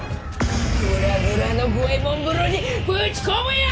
グラグラの五右衛門風呂にぶち込むよーっ！